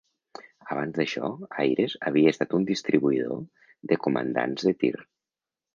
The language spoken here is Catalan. Abans d'això, Ayres havia estat un distribuïdor de comandants de tir.